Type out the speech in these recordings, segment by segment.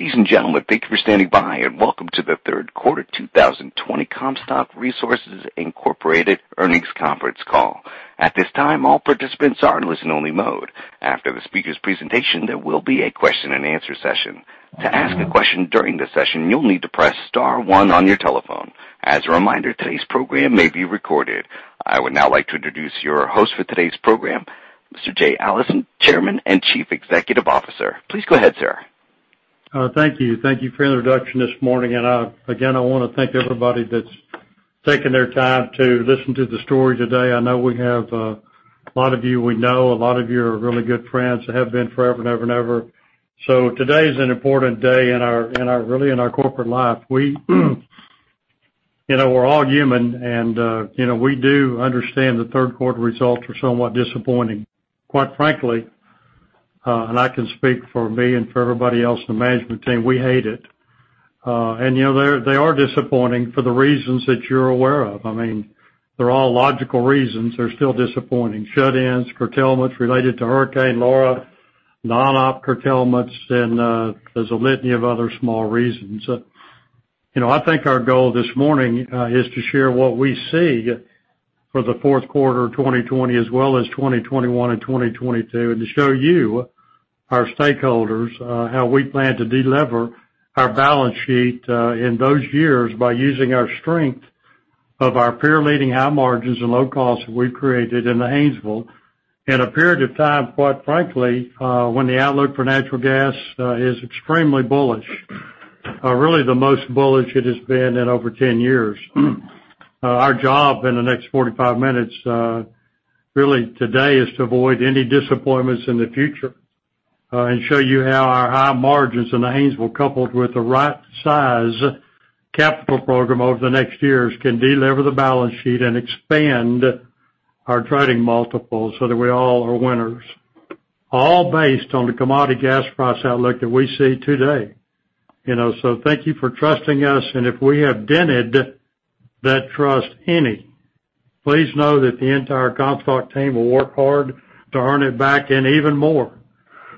Ladies and gentlemen, thank you for standing by, and welcome to the third quarter 2020 Comstock Resources Incorporated earnings conference call. At this time, all participants are in listen only mode. After the speaker's presentation, there will be a question and answer session. To ask a question during the session, you'll need to press star one on your telephone. As a reminder, today's program may be recorded. I would now like to introduce your host for today's program, Mr. Jay Allison, Chairman and Chief Executive Officer. Please go ahead, sir. Thank you. Thank you for the introduction this morning. Again, I want to thank everybody that's taken their time to listen to the story today. I know we have a lot of you, a lot of you are really good friends, have been forever and ever and ever. Today is an important day, really, in our corporate life. We're all human and we do understand the third quarter results were somewhat disappointing. Quite frankly, I can speak for me and for everybody else in the management team, we hate it. They are disappointing for the reasons that you're aware of. I mean, they're all logical reasons. They're still disappointing. Shut-ins, curtailments related to Hurricane Laura, non-op curtailments, there's a litany of other small reasons. I think our goal this morning is to share what we see for the fourth quarter 2020 as well as 2021 and 2022, and to show you, our stakeholders, how we plan to de-lever our balance sheet in those years by using our strength of our peer leading high margins and low costs we've created in the Haynesville in a period of time, quite frankly, when the outlook for natural gas is extremely bullish, really the most bullish it has been in over 10 years. Our job in the next 45 minutes, really today, is to avoid any disappointments in the future, and show you how our high margins in the Haynesville, coupled with the right size capital program over the next years, can de-lever the balance sheet and expand our trading multiples so that we all are winners. All based on the commodity gas price outlook that we see today. Thank you for trusting us, and if we have dented that trust any, please know that the entire Comstock team will work hard to earn it back and even more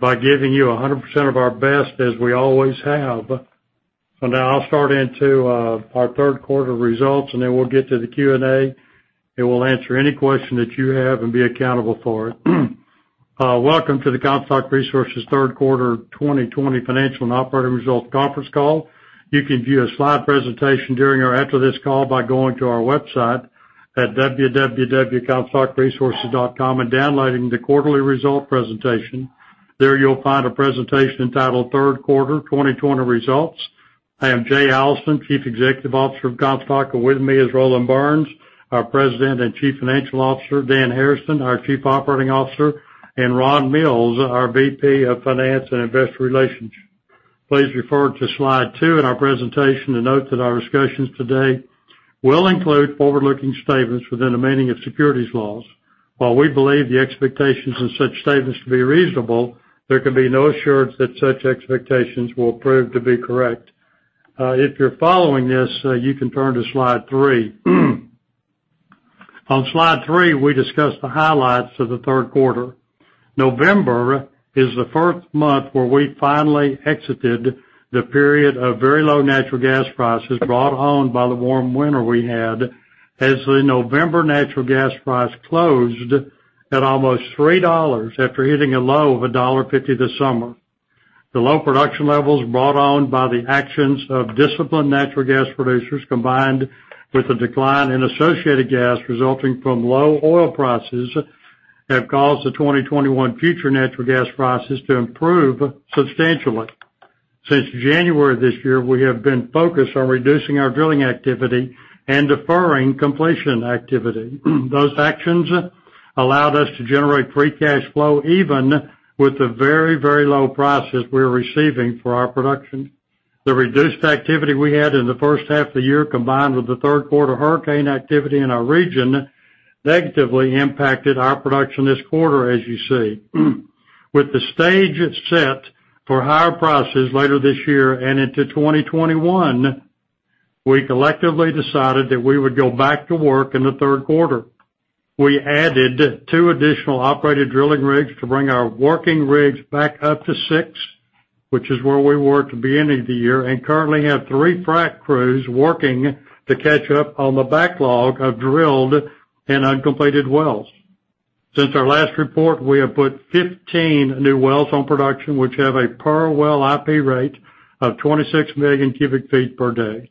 by giving you 100% of our best as we always have. Now I'll start into our third quarter results, and then we'll get to the Q&A, and we'll answer any question that you have and be accountable for it. Welcome to the Comstock Resources third quarter 2020 financial and operating results conference call. You can view a slide presentation during or after this call by going to our website at www.comstockresources.com and downloading the quarterly result presentation. There you'll find a presentation entitled Third Quarter 2020 Results. I am Jay Allison, Chief Executive Officer of Comstock. With me is Roland Burns, our President and Chief Financial Officer, Dan Harrison, our Chief Operating Officer, and Ron Mills, our VP of Finance and Investor Relations. Please refer to slide two in our presentation to note that our discussions today will include forward-looking statements within the meaning of securities laws. While we believe the expectations in such statements to be reasonable, there can be no assurance that such expectations will prove to be correct. If you're following this, you can turn to slide three. On slide three, we discuss the highlights of the third quarter. November is the first month where we finally exited the period of very low natural gas prices brought on by the warm winter we had, as the November natural gas price closed at almost $3 after hitting a low of $1.50 this summer. The low production levels brought on by the actions of disciplined natural gas producers, combined with the decline in associated gas resulting from low oil prices, have caused the 2021 future natural gas prices to improve substantially. Since January this year, we have been focused on reducing our drilling activity and deferring completion activity. Those actions allowed us to generate free cash flow even with the very, very low prices we were receiving for our production. The reduced activity we had in the first half of the year, combined with the third quarter hurricane activity in our region, negatively impacted our production this quarter, as you see. With the stage set for higher prices later this year and into 2021, we collectively decided that we would go back to work in the third quarter. We added two additional operated drilling rigs to bring our working rigs back up to six, which is where we were at the beginning of the year, and currently have three frac crews working to catch up on the backlog of drilled but uncompleted wells. Since our last report, we have put 15 new wells on production, which have a per well IP rate of 26 million cubic feet per day.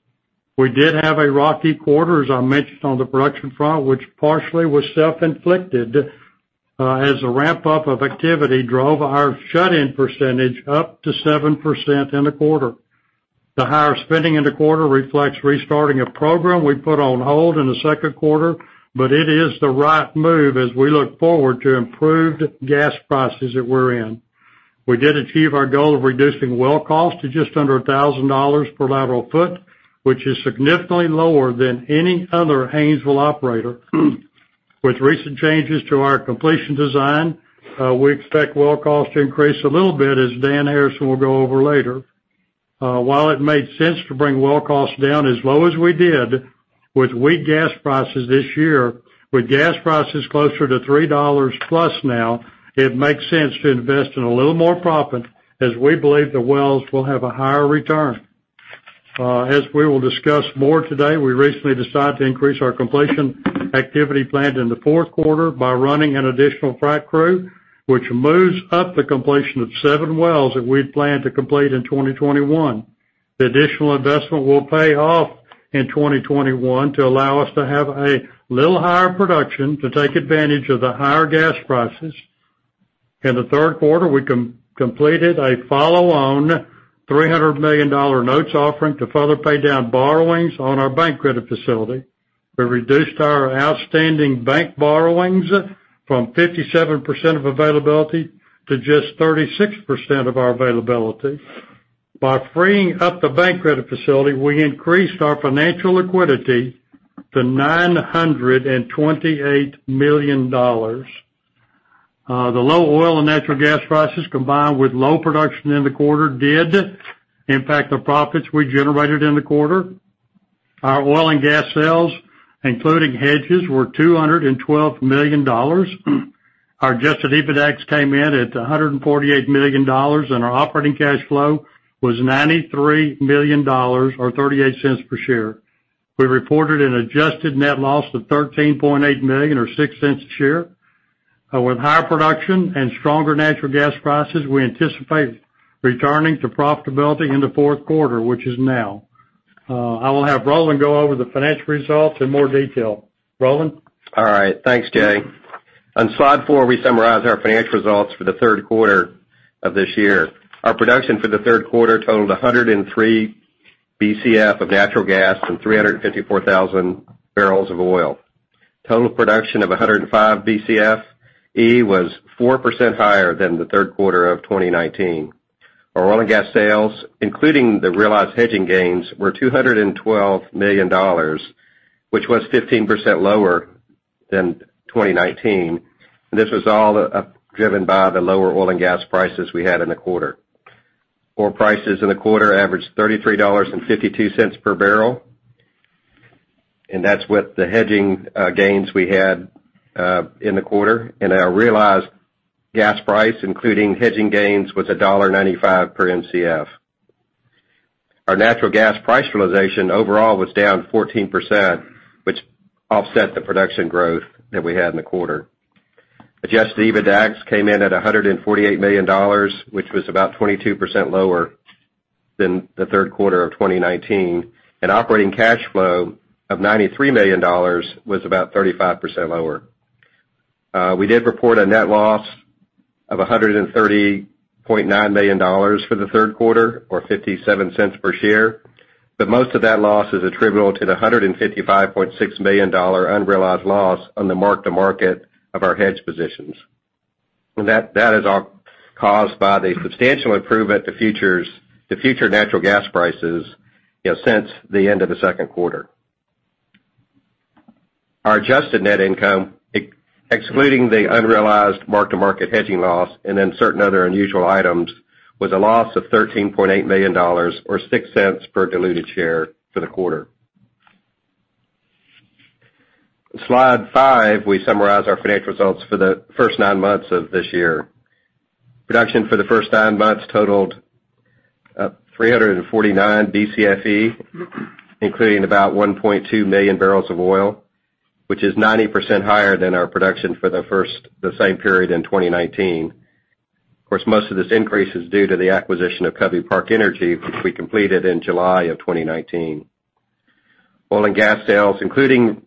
We did have a rocky quarter, as I mentioned on the production front, which partially was self-inflicted, as a ramp up of activity drove our shut-in percentage up to 7% in the quarter. The higher spending in the quarter reflects restarting a program we put on hold in the second quarter, but it is the right move as we look forward to improved gas prices that we're in. We did achieve our goal of reducing well cost to just under $1,000 per lateral foot, which is significantly lower than any other Haynesville operator. With recent changes to our completion design, we expect well cost to increase a little bit as Dan Harrison will go over later. While it made sense to bring well costs down as low as we did. With weak gas prices this year, with gas prices closer to $3+ now, it makes sense to invest in a little more proppant, as we believe the wells will have a higher return. As we will discuss more today, we recently decided to increase our completion activity planned in the fourth quarter by running an additional frac crew, which moves up the completion of seven wells that we had planned to complete in 2021. The additional investment will pay off in 2021 to allow us to have a little higher production to take advantage of the higher gas prices. In the third quarter, we completed a follow-on $300 million notes offering to further pay down borrowings on our bank credit facility. We reduced our outstanding bank borrowings from 57% of availability to just 36% of our availability. By freeing up the bank credit facility, we increased our financial liquidity to $928 million. The low oil and natural gas prices, combined with low production in the quarter, did impact the profits we generated in the quarter. Our oil and gas sales, including hedges, were $212 million. Our adjusted EBITDAX came in at $148 million, and our operating cash flow was $93 million, or $0.38 per share. We reported an adjusted net loss of $13.8 million, or $0.06 a share. With higher production and stronger natural gas prices, we anticipate returning to profitability in the fourth quarter, which is now. I will have Roland go over the financial results in more detail. Roland? All right. Thanks, Jay. On slide four, we summarize our financial results for the third quarter of this year. Our production for the third quarter totaled 103 Bcf of natural gas and 354,000 barrels of oil. Total production of 105 Bcfe was 4% higher than the third quarter of 2019. Our oil and gas sales, including the realized hedging gains, were $212 million, which was 15% lower than 2019. This was all driven by the lower oil and gas prices we had in the quarter. Oil prices in the quarter averaged $33.52 per barrel. That's with the hedging gains we had in the quarter. Our realized gas price, including hedging gains, was $1.95 per Mcf. Our natural gas price realization overall was down 14%, which offset the production growth that we had in the quarter. Adjusted EBITDAX came in at $148 million, which was about 22% lower than the third quarter of 2019. Operating cash flow of $93 million was about 35% lower. We did report a net loss of $130.9 million for the third quarter, or $0.57 per share. Most of that loss is attributable to the $155.6 million unrealized loss on the mark-to-market of our hedge positions. That is all caused by the substantial improvement to future natural gas prices since the end of the second quarter. Our adjusted net income, excluding the unrealized mark-to-market hedging loss, certain other unusual items, was a loss of $13.8 million or $0.06 per diluted share for the quarter. In slide five, we summarize our financial results for the first nine months of this year. Production for the first nine months totaled 349 Bcfe, including about 1.2 million barrels of oil, which is 90% higher than our production for the same period in 2019. Of course, most of this increase is due to the acquisition of Covey Park Energy, which we completed in July of 2019. Oil and gas sales, including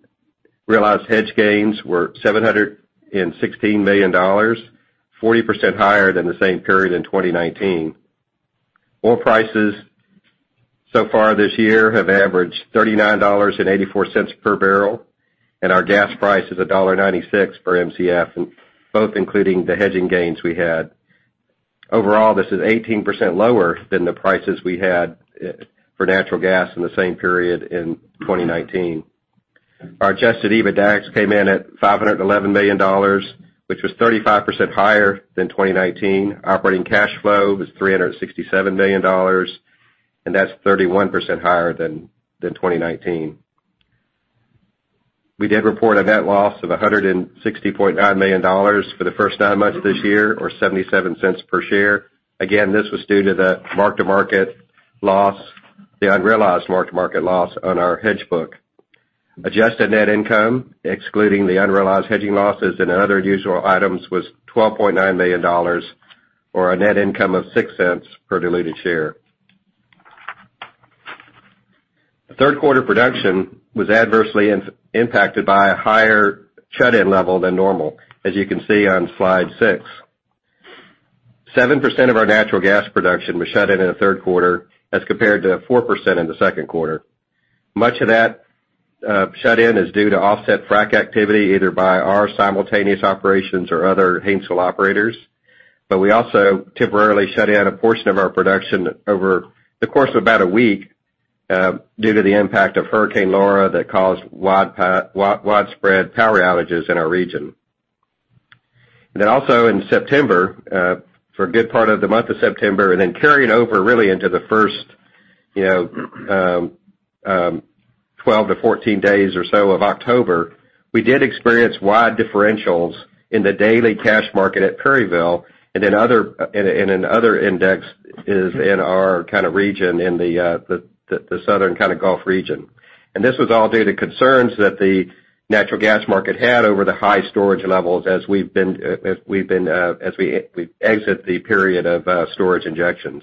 realized hedge gains, were $716 million, 40% higher than the same period in 2019. Oil prices so far this year have averaged $39.84 per barrel, and our gas price is $1.96 per Mcf, both including the hedging gains we had. Overall, this is 18% lower than the prices we had for natural gas in the same period in 2019. Our adjusted EBITDAX came in at $511 million, which was 35% higher than 2019. Operating cash flow was $367 million, that's 31% higher than 2019. We did report a net loss of $160.9 million for the first nine months of this year, or $0.77 per share. Again, this was due to the mark-to-market loss, the unrealized mark-to-market loss on our hedge book. Adjusted net income, excluding the unrealized hedging losses and other usual items, was $12.9 million, or a net income of $0.06 per diluted share. Third quarter production was adversely impacted by a higher shut-in level than normal, as you can see on slide six. 7% of our natural gas production was shut in the third quarter as compared to 4% in the second quarter. Much of that shut-in is due to offset frac activity, either by our simultaneous operations or other Haynesville operators. We also temporarily shut in a portion of our production over the course of about a week due to the impact of Hurricane Laura that caused widespread power outages in our region. Also in September, for a good part of the month of September, and then carrying over really into the first 12-14 days or so of October, we did experience wide differentials in the daily cash market at Perryville, and then other index is in our kind of region, in the southern kind of Gulf region. This was all due to concerns that the natural gas market had over the high storage levels as we exit the period of storage injections.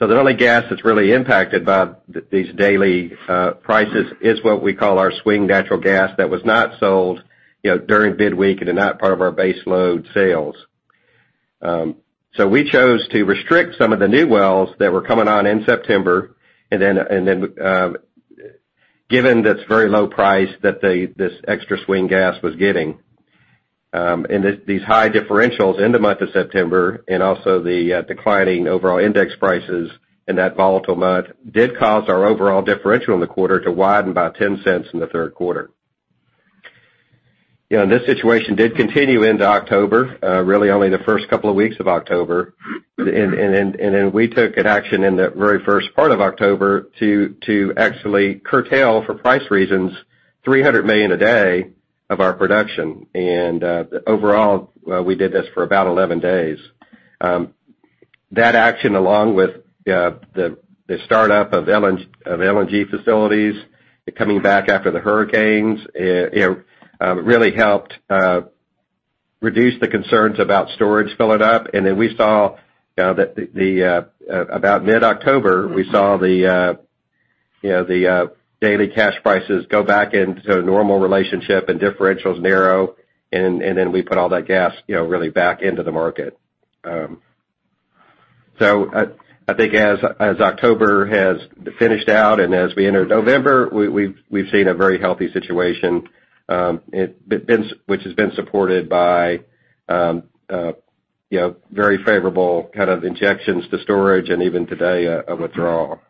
The only gas that's really impacted by these daily prices is what we call our swing natural gas that was not sold during bidweek and are not part of our base load sales. We chose to restrict some of the new wells that were coming on in September, and then given this very low price that this extra swing gas was getting. These high differentials in the month of September and also the declining overall index prices in that volatile month did cause our overall differential in the quarter to widen by $0.10 in the third quarter. This situation did continue into October, really only the first couple of weeks of October. We took an action in the very first part of October to actually curtail, for price reasons, 300 million a day of our production. Overall, we did this for about 11 days. That action, along with the startup of LNG facilities, coming back after the hurricanes, really helped reduce the concerns about storage filling up. Then we saw about mid-October, we saw the daily cash prices go back into a normal relationship and differentials narrow, and then we put all that gas really back into the market. I think as October has finished out and as we enter November, we've seen a very healthy situation, which has been supported by very favorable kind of injections to storage and even today, a withdrawal.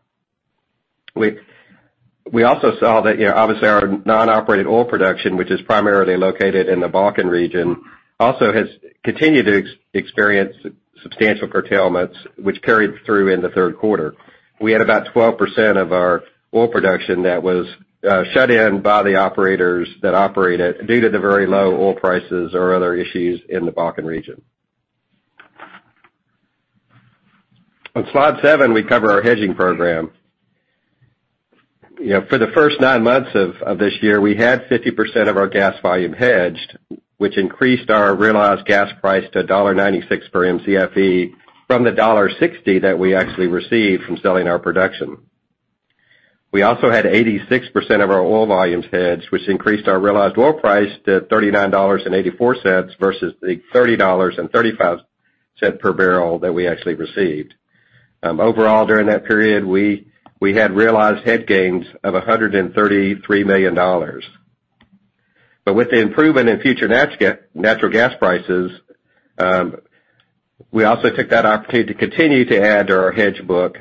We also saw that obviously our non-operated oil production, which is primarily located in the Bakken region, also has continued to experience substantial curtailments, which carried through in the third quarter. We had about 12% of our oil production that was shut in by the operators that operate it due to the very low oil prices or other issues in the Bakken region. On slide seven, we cover our hedging program. For the first nine months of this year, we had 50% of our gas volume hedged, which increased our realized gas price to $1.96 per Mcfe from the $1.60 that we actually received from selling our production. We also had 86% of our oil volumes hedged, which increased our realized oil price to $39.84 versus the $30.35 per barrel that we actually received. Overall, during that period, we had realized hedge gains of $133 million. With the improvement in future natural gas prices, we also took that opportunity to continue to add to our hedge book,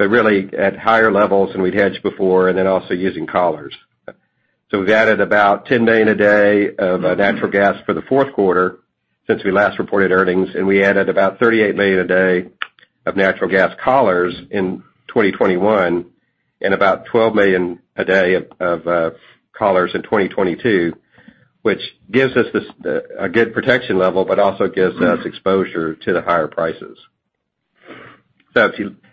but really at higher levels than we'd hedged before, and then also using collars. We've added about $10 million a day of natural gas for the fourth quarter since we last reported earnings, and we added about $38 million a day of natural gas collars in 2021, and about $12 million a day of collars in 2022, which gives us a good protection level, but also gives us exposure to the higher prices.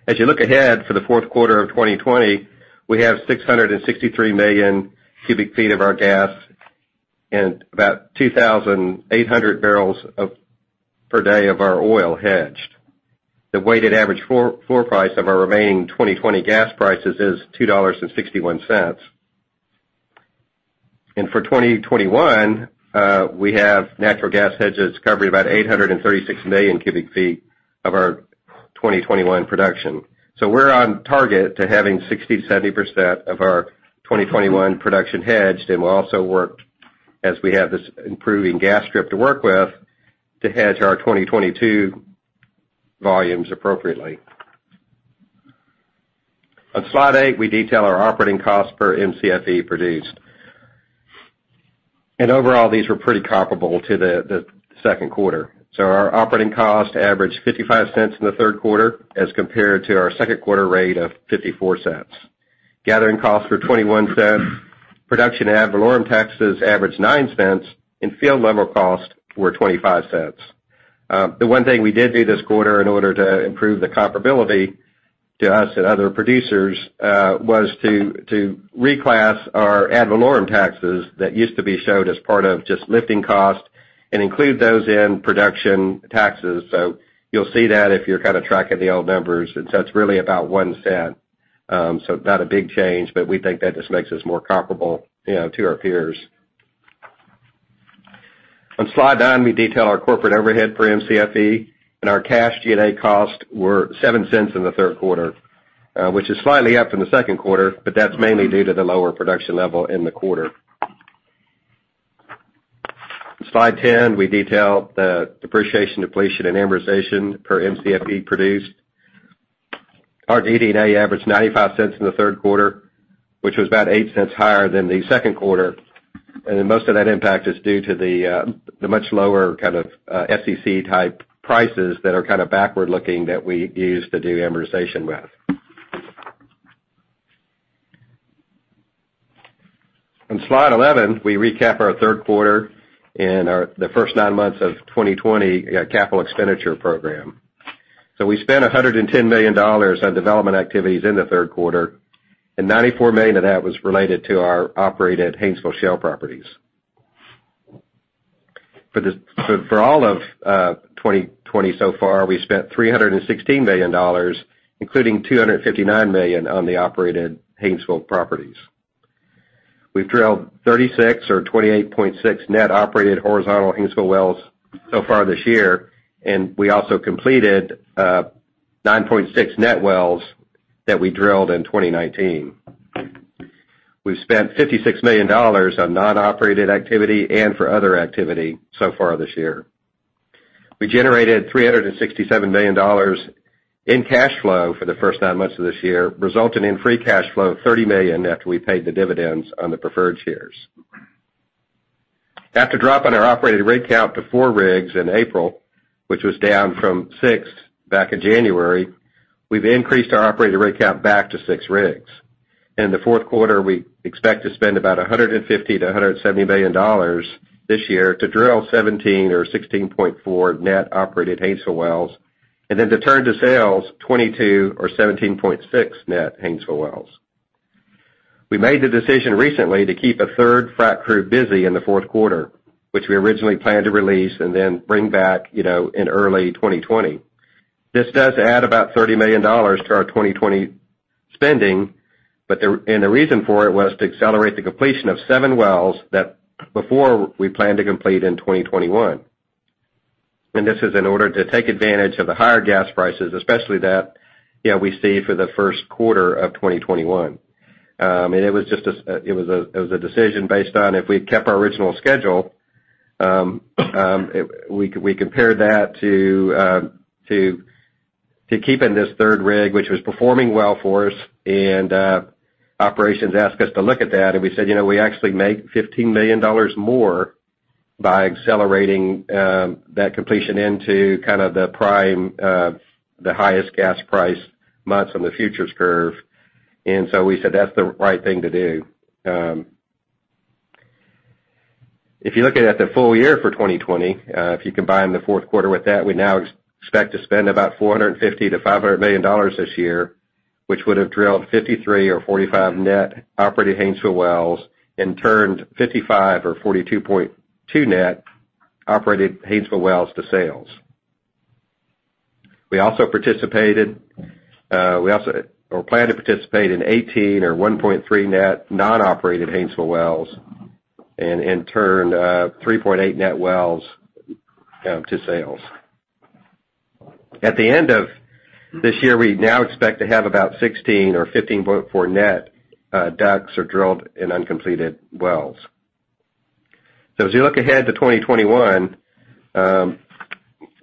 As you look ahead for the fourth quarter of 2020, we have 663 million cubic feet of our gas and about 2,800 barrels per day of our oil hedged. The weighted average floor price of our remaining 2020 gas prices is $2.61. For 2021, we have natural gas hedges covering about 836 million cubic feet of our 2021 production. We're on target to having 60%-70% of our 2021 production hedged, and we'll also work as we have this improving gas strip to work with to hedge our 2022 volumes appropriately. On slide eight, we detail our operating cost per Mcfe produced. Overall, these were pretty comparable to the second quarter. Our operating cost averaged $0.55 in the third quarter as compared to our second quarter rate of $0.54. Gathering costs were $0.21, production ad valorem taxes averaged $0.09, and field level costs were $0.25. The one thing we did do this quarter in order to improve the comparability to us and other producers, was to reclass our ad valorem taxes that used to be showed as part of just lifting costs and include those in production taxes. You'll see that if you're kind of tracking the old numbers. That's really about $0.01. Not a big change, but we think that just makes us more comparable to our peers. On slide nine, we detail our corporate overhead for Mcfe, and our cash G&A costs were $0.07 in the third quarter, which is slightly up from the second quarter, but that's mainly due to the lower production level in the quarter. Slide 10, we detail the depreciation, depletion, and amortization per Mcfe produced. Our DD&A averaged $0.95 in the third quarter, which was about $0.08 higher than the second quarter. Most of that impact is due to the much lower kind of SEC type prices that are kind of backward looking that we use to do amortization with. On slide 11, we recap our third quarter and the first nine months of 2020 capital expenditure program. We spent $110 million on development activities in the third quarter, and $94 million of that was related to our operated Haynesville Shale properties. For all of 2020 so far, we've spent $316 million, including $259 million on the operated Haynesville properties. We've drilled 36 or 28.6 net operated horizontal Haynesville wells so far this year, and we also completed 9.6 net wells that we drilled in 2019. We've spent $56 million on non-operated activity and for other activity so far this year. We generated $367 million in cash flow for the first nine months of this year, resulting in free cash flow of $30 million after we paid the dividends on the preferred shares. After dropping our operated rig count to four rigs in April, which was down from six back in January, we've increased our operated rig count back to six rigs. In the fourth quarter, we expect to spend about $150 million-$170 million this year to drill 17 or 16.4 net operated Haynesville wells, and then to turn to sales 22 or 17.6 net Haynesville wells. We made the decision recently to keep a third frac crew busy in the fourth quarter, which we originally planned to release and then bring back in early 2020. This does add about $30 million to our 2020 spending, and the reason for it was to accelerate the completion of seven wells that before we planned to complete in 2021. This is in order to take advantage of the higher gas prices, especially that we see for the first quarter of 2021. It was a decision based on if we'd kept our original schedule, we compared that to keeping this third rig, which was performing well for us, and operations asked us to look at that, and we said we actually make $15 million more by accelerating that completion into the highest gas price months on the futures curve. We said that's the right thing to do. If you look at the full year for 2020, if you combine the fourth quarter with that, we now expect to spend about $450 million-$500 million this year, which would have drilled 53 or 45 net operated Haynesville wells and turned 55 or 42.2 net operated Haynesville wells to sales. We also plan to participate in 18 or 1.3 net non-operated Haynesville wells and turn 3.8 net wells to sales. At the end of this year, we now expect to have about 16 or 15.4 net DUCs or drilled in uncompleted wells. As you look ahead to 2021,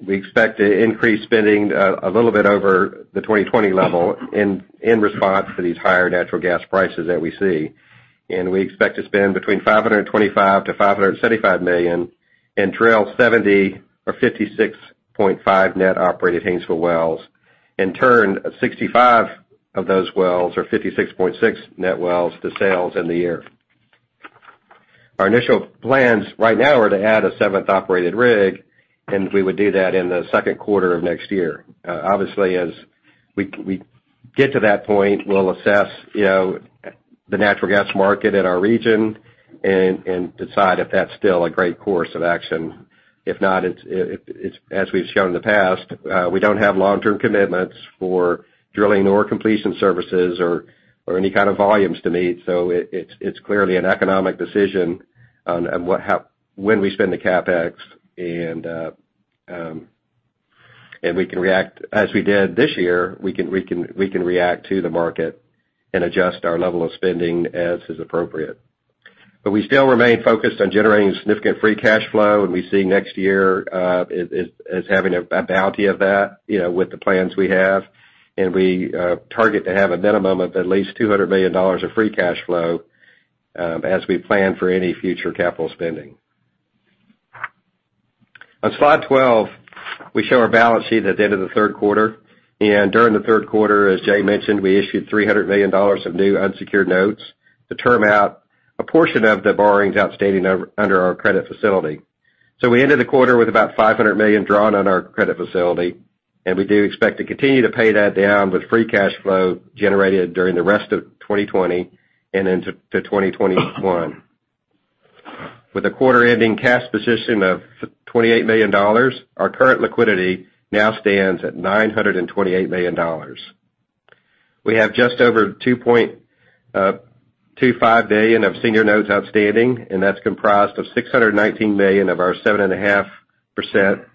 we expect to increase spending a little bit over the 2020 level in response to these higher natural gas prices that we see. We expect to spend between $525 million-$575 million and drill 70 or 56.5 net operated Haynesville wells and turn 65 of those wells or 56.6 net wells to sales in the year. Our initial plans right now are to add a seventh operated rig, and we would do that in the second quarter of next year. Obviously, as we get to that point, we'll assess the natural gas market in our region and decide if that's still a great course of action. If not, as we've shown in the past, we don't have long-term commitments for drilling or completion services or any kind of volumes to meet. It's clearly an economic decision on when we spend the CapEx, and as we did this year, we can react to the market and adjust our level of spending as is appropriate. We still remain focused on generating significant free cash flow, and we see next year as having a bounty of that with the plans we have. We target to have a minimum of at least $200 million of free cash flow as we plan for any future capital spending. On slide 12, we show our balance sheet at the end of the third quarter. During the third quarter, as Jay mentioned, we issued $300 million of new unsecured notes to term out a portion of the borrowings outstanding under our credit facility. We ended the quarter with about $500 million drawn on our credit facility, and we do expect to continue to pay that down with free cash flow generated during the rest of 2020 and into 2021. With a quarter-ending cash position of $28 million, our current liquidity now stands at $928 million. We have just over $2.25 billion of senior notes outstanding, that's comprised of $619 million of our 7.5%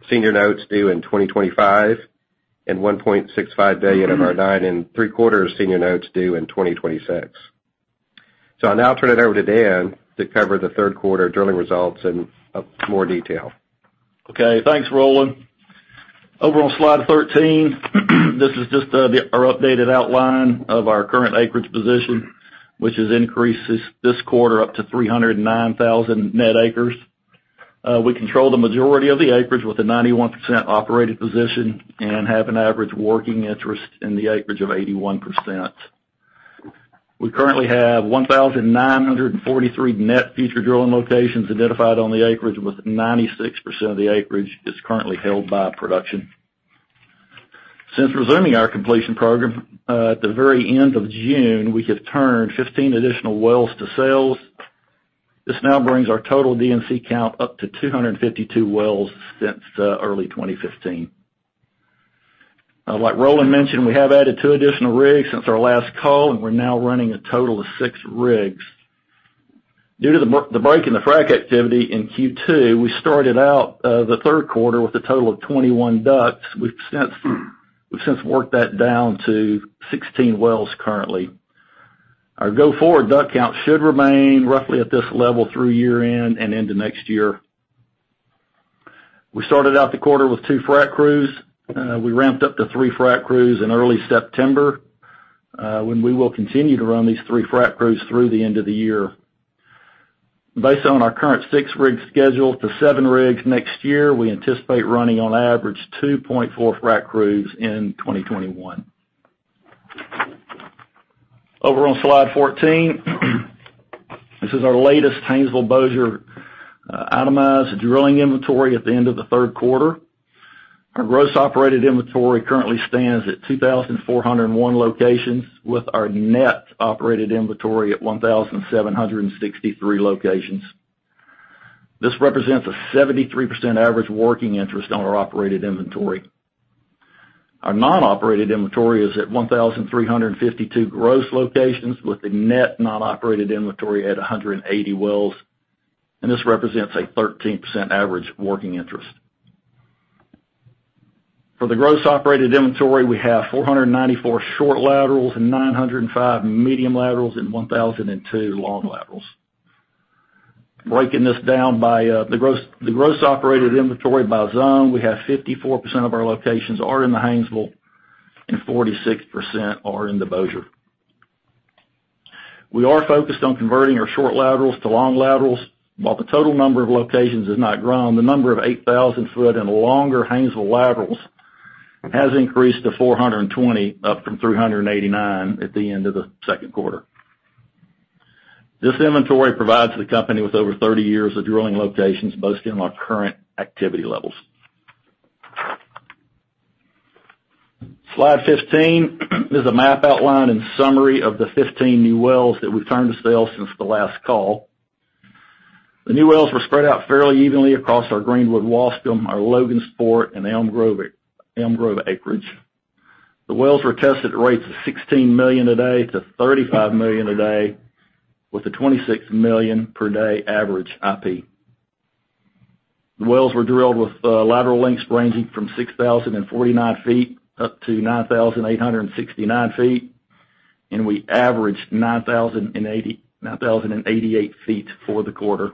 senior notes due in 2025 and $1.65 billion of our 9.75% senior notes due in 2026. I'll now turn it over to Dan to cover the third quarter drilling results in more detail. Okay, thanks, Roland. Over on slide 13, this is just our updated outline of our current acreage position, which has increased this quarter up to 309,000 net acres. We control the majority of the acreage with a 91% operated position and have an average working interest in the acreage of 81%. We currently have 1,943 net future drilling locations identified on the acreage, with 96% of the acreage is currently held by production. Since resuming our completion program at the very end of June, we have turned 15 additional wells to sales. This now brings our total D&C count up to 252 wells since early 2015. Like Roland mentioned, we have added two additional rigs since our last call, and we're now running a total of six rigs. Due to the break in the frac activity in Q2, we started out the third quarter with a total of 21 DUCs. We've since worked that down to 16 wells currently. Our go-forward DUC count should remain roughly at this level through year-end and into next year. We started out the quarter with two frac crews. We ramped up to three frac crews in early September, when we will continue to run these three frac crews through the end of the year. Based on our current six-rig schedule to seven rigs next year, we anticipate running on average 2.4 frac crews in 2021. Over on slide 14, this is our latest Haynesville Bossier itemized drilling inventory at the end of the third quarter. Our gross operated inventory currently stands at 2,401 locations, with our net operated inventory at 1,763 locations. This represents a 73% average working interest on our operated inventory. Our non-operated inventory is at 1,352 gross locations, with the net non-operated inventory at 180 wells, and this represents a 13% average working interest. For the gross operated inventory, we have 494 short laterals and 905 medium laterals and 1,002 long laterals. Breaking this down by the gross operated inventory by zone, we have 54% of our locations are in the Haynesville and 46% are in the Bossier. We are focused on converting our short laterals to long laterals. While the total number of locations has not grown, the number of 8,000 foot and longer Haynesville laterals has increased to 420, up from 389 at the end of the second quarter. This inventory provides the company with over 30 years of drilling locations based on our current activity levels. Slide 15 is a map outline and summary of the 15 new wells that we've turned to sale since the last call. The new wells were spread out fairly evenly across our Greenwood, Waskom, our Logansport and Elm Grove acreage. The wells were tested at rates of 16 million a day to 35 million a day with a 26 million per day average IP. The wells were drilled with lateral lengths ranging from 6,049 feet up to 9,869 feet, and we averaged 9,088 feet for the quarter.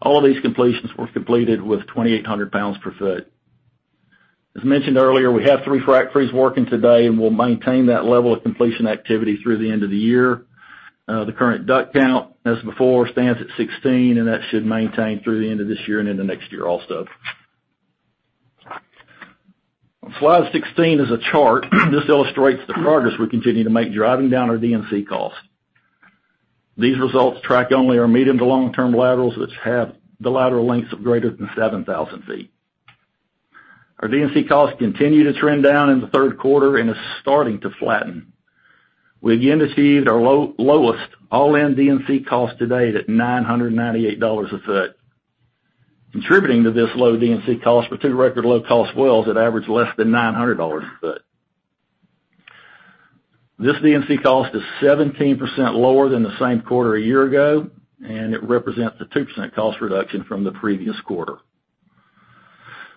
All these completions were completed with 2,800 pounds per foot. As mentioned earlier, we have three frac crews working today, and we'll maintain that level of completion activity through the end of the year. The current DUC count, as before, stands at 16, and that should maintain through the end of this year and into next year also. Slide 16 is a chart. This illustrates the progress we continue to make driving down our D&C costs. These results track only our medium to long-term laterals, which have the lateral lengths of greater than 7,000 feet. Our D&C costs continue to trend down in the third quarter and are starting to flatten. We again achieved our lowest all-in D&C cost to date at $998 a foot. Contributing to this low D&C cost were two record low cost wells that average less than $900 a foot. This D&C cost is 17% lower than the same quarter a year ago. It represents a 2% cost reduction from the previous quarter.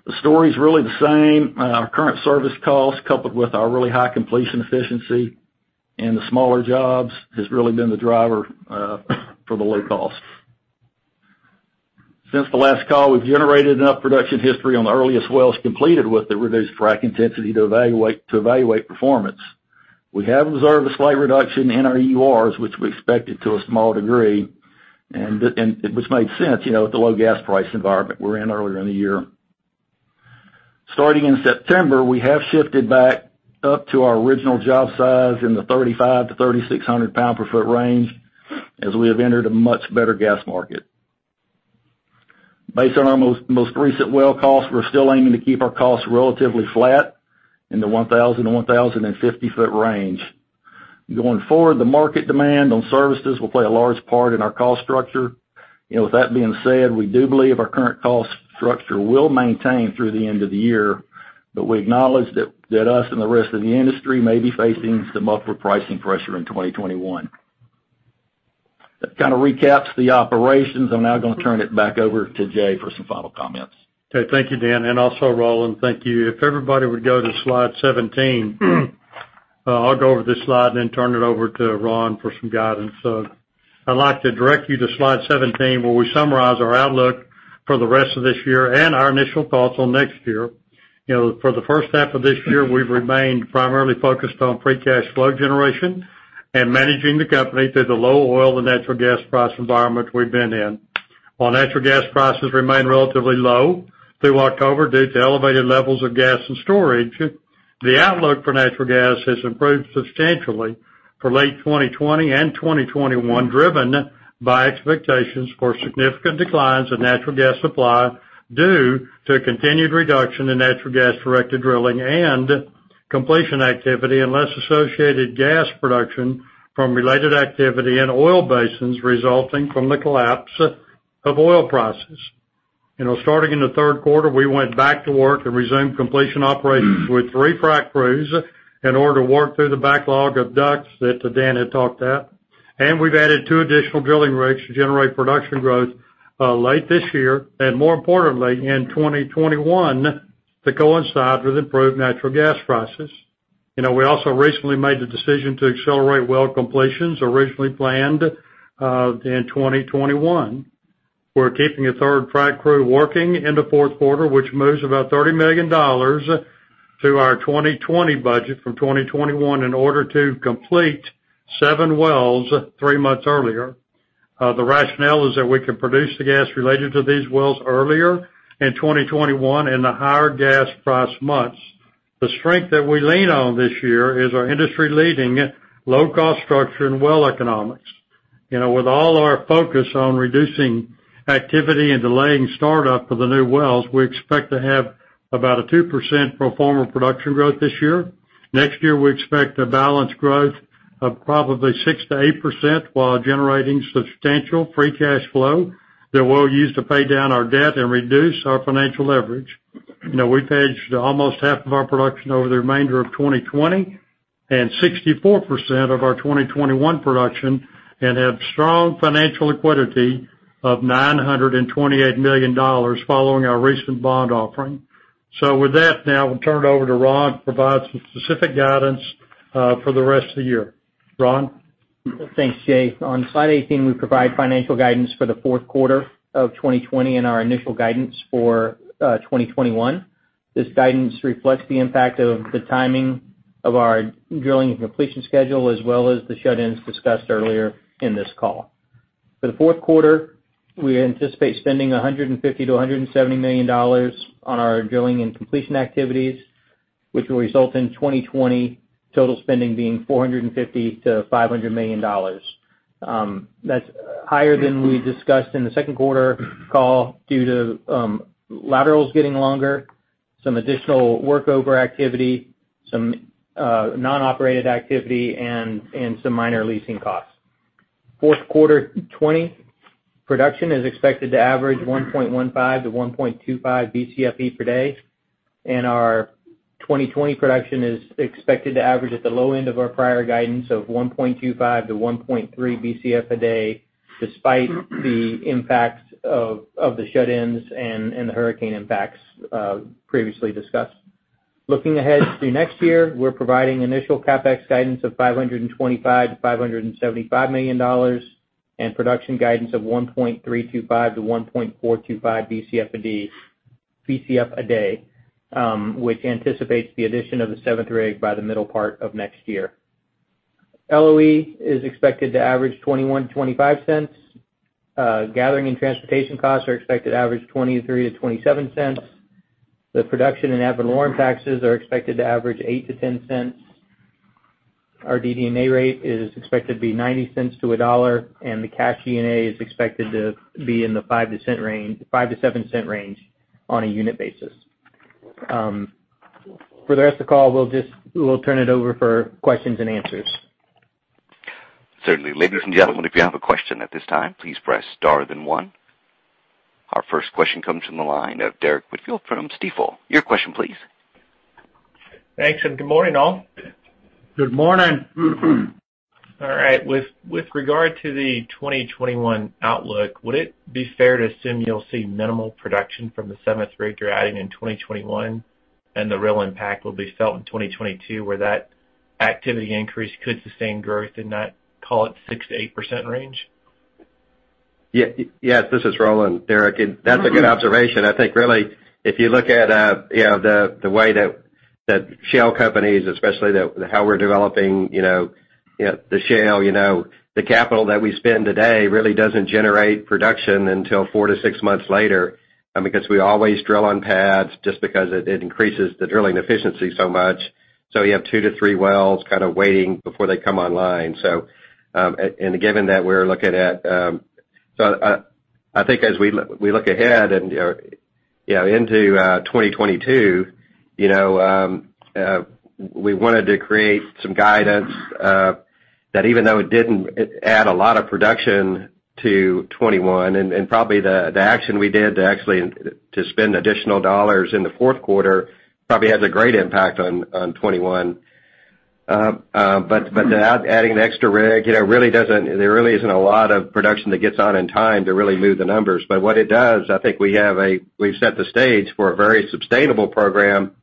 The story's really the same. Our current service cost, coupled with our really high completion efficiency and the smaller jobs, has really been the driver for the low cost. Since the last call, we've generated enough production history on the earliest wells completed with the reduced frac intensity to evaluate performance. We have observed a slight reduction in our EURs, which we expected to a small degree, and which made sense, with the low gas price environment we were in earlier in the year. Starting in September, we have shifted back up to our original job size in the 3,500 lbs-3,600 lbs per foot range as we have entered a much better gas market. Based on our most recent well costs, we're still aiming to keep our costs relatively flat in the 1,000-1,050 foot range. Going forward, the market demand on services will play a large part in our cost structure. With that being said, we do believe our current cost structure will maintain through the end of the year, but we acknowledge that us and the rest of the industry may be facing some upward pricing pressure in 2021. That kind of recaps the operations. I'm now going to turn it back over to Jay for some final comments. Thank you, Dan, and also, Roland, thank you. If everybody would go to slide 17. I'll go over this slide and then turn it over to Ron for some guidance. I'd like to direct you to slide 17, where we summarize our outlook for the rest of this year and our initial thoughts on next year. For the first half of this year, we've remained primarily focused on free cash flow generation and managing the company through the low oil and natural gas price environment we've been in. While natural gas prices remain relatively low through October due to elevated levels of gas and storage, the outlook for natural gas has improved substantially for late 2020 and 2021, driven by expectations for significant declines in natural gas supply due to a continued reduction in natural gas-directed drilling and completion activity and less associated gas production from related activity in oil basins resulting from the collapse of oil prices. Starting in the third quarter, we went back to work and resumed completion operations with three frac crews in order to work through the backlog of DUCs that Dan had talked about. We've added two additional drilling rigs to generate production growth late this year and, more importantly, in 2021 to coincide with improved natural gas prices. We also recently made the decision to accelerate well completions originally planned in 2021. We're keeping a third frac crew working in the fourth quarter, which moves about $30 million to our 2020 budget from 2021 in order to complete seven wells three months earlier. The rationale is that we can produce the gas related to these wells earlier in 2021 in the higher gas price months. The strength that we lean on this year is our industry-leading low cost structure and well economics. With all our focus on reducing activity and delaying startup of the new wells, we expect to have about a 2% pro forma production growth this year. Next year, we expect a balanced growth of probably 6%-8% while generating substantial free cash flow that we'll use to pay down our debt and reduce our financial leverage. We've hedged almost half of our production over the remainder of 2020 and 64% of our 2021 production and have strong financial liquidity of $928 million following our recent bond offering. With that, now we'll turn it over to Ron to provide some specific guidance for the rest of the year. Ron? Thanks, Jay. On slide 18, we provide financial guidance for the fourth quarter of 2020 and our initial guidance for 2021. This guidance reflects the impact of the timing of our drilling and completion schedule, as well as the shut-ins discussed earlier in this call. For the fourth quarter, we anticipate spending $150 million-$170 million on our drilling and completion activities, which will result in 2020 total spending being $450 million-$500 million. That's higher than we discussed in the second quarter call due to laterals getting longer, some additional workover activity, some non-operated activity, and some minor leasing costs. Fourth quarter 2020 production is expected to average 1.15 Bcf-1.25 Bcf per day, and our 2020 production is expected to average at the low end of our prior guidance of 1.25 Bcf-1.3 Bcf a day, despite the impacts of the shut-ins and the hurricane impacts previously discussed. Looking ahead to next year, we're providing initial CapEx guidance of $525 million-$575 million and production guidance of 1.325 Bcf-1.425 Bcf a day, which anticipates the addition of the seventh rig by the middle part of next year. LOE is expected to average $0.21-$0.25. Gathering and transportation costs are expected to average $0.23-$0.27. The production and ad valorem taxes are expected to average $0.08-$0.10. Our DD&A rate is expected to be $0.90-$1.00, and the cash G&A is expected to be in the $0.05-$0.07 range on a unit basis. For the rest of the call, we'll turn it over for questions and answers. Certainly. Ladies and gentlemen, if you have a question at this time, please press star then one. Our first question comes from the line of Derrick Whitfield from Stifel. Your question please. Thanks, and good morning, all. Good morning. All right. With regard to the 2021 outlook, would it be fair to assume you'll see minimal production from the seventh rig you're adding in 2021, the real impact will be felt in 2022, where that activity increase could sustain growth in that, call it 6%-8% range? Yes. This is Roland. Derrick, that's a good observation. I think really, if you look at the way that shale companies, especially how we're developing the shale, the capital that we spend today really doesn't generate production until four to six months later because we always drill on pads just because it increases the drilling efficiency so much. You have two to three wells kind of waiting before they come online. I think as we look ahead into 2022, we wanted to create some guidance that even though it didn't add a lot of production to 2021, and probably the action we did to actually spend additional dollars in the fourth quarter probably has a great impact on 2021. Adding an extra rig, there really isn't a lot of production that gets on in time to really move the numbers. What it does, I think we've set the stage for a very sustainable program